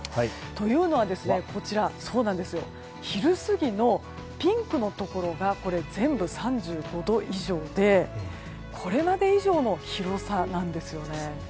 というのは、昼過ぎのピンクのところが全部３５度以上でこれまで以上の広さなんですよね。